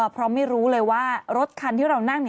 เพราะไม่รู้เลยว่ารถคันที่เรานั่ง